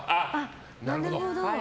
なるほど。